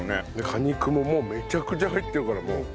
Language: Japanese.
果肉ももうめちゃくちゃ入ってるから。